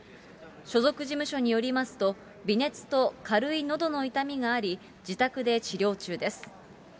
所属事務所によりますと、微熱と軽いのどの痛みがあり、自宅で治療中です。